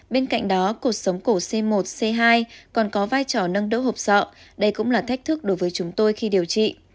bên cạnh đó cuộc sống cổ c một c hai còn có vai trò nâng đỡ hộp sọ đây cũng là thách thức đối với chúng tôi khi điều trị